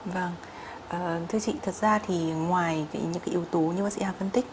vâng thưa chị thật ra thì ngoài những cái yếu tố như bác sĩ hà phân tích